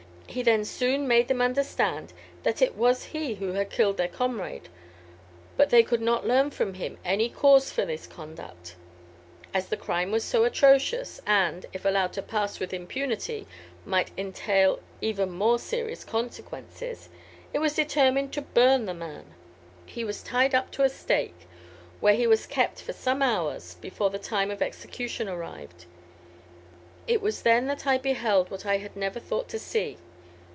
He then soon made them understand that it was he who had killed their comrade, but they could not learn from him any cause for this conduct. As the crime was so atrocious, and, if allowed to pass with impunity, might entail even more serious consequences, it was determined to burn the man. He was tied up to a stake, where he was kept for some hours before the time of execution arrived. It was then that I beheld what I had never thought to see.